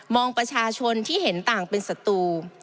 ประชาชนที่เห็นต่างเป็นศัตรู